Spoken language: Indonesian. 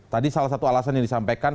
tadi salah satu alasan yang disampaikan